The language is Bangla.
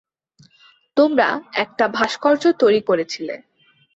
তোমরা একটা ভাস্কর্য তৈরি করেছিলে।